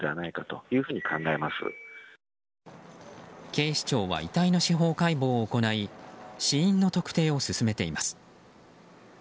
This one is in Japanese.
警視庁は遺体の司法解剖を行い死因の特定を進めています。